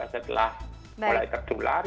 setelah mulai tertular